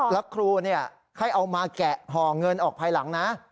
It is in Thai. แล้วครูให้เอามาแกะห่อเงินออกภายหลังนะ